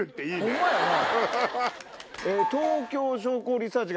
ホンマやな。